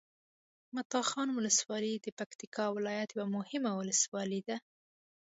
مټاخان ولسوالي د پکتیکا ولایت یوه مهمه ولسوالي ده